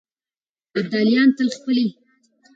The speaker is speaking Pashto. ابداليان تل د خپلې خاورې د دفاع لپاره چمتو دي.